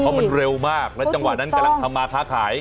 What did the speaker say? เพราะมันเร็วมากแล้วจังหวะนั้นกำลังทำมาค้าขาย